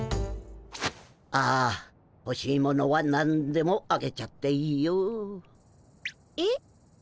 ああほしいものはなんでもあげちゃっていいよ。え？